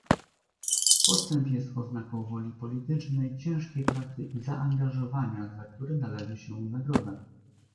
Postęp jest oznaką woli politycznej, ciężkiej pracy i zaangażowania, za które należy się nagroda